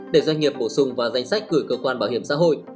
để doanh nghiệp bổ sung vào danh sách gửi cơ quan bảo hiểm xã hội